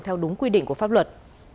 theo đúng quy định của pháp luật